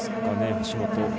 橋本。